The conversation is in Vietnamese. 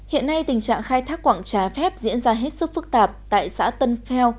hiện nay tình trạng khai thác quảng trái phép diễn ra hết sức phức tạp tại xã tân pheo